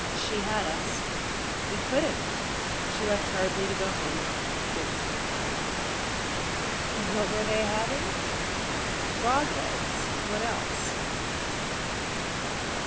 She had us. We couldn't, and she left hurriedly to go home and cook dinner for her family. And what were they having? Frog legs what else?